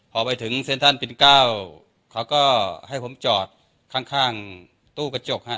พอไปถึงเซ็นทรัลปินเก้าเขาก็ให้ผมจอดข้างตู้กระจกฮะ